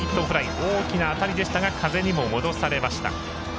大きな当たりでしたが風にも戻されました。